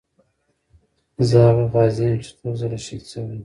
زه هغه غازي یم چې څو ځله شهید شوی یم.